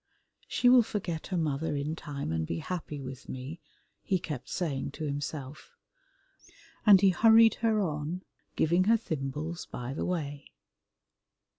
"She will forget her mother in time, and be happy with me," he kept saying to himself, and he hurried her on, giving her thimbles by the way.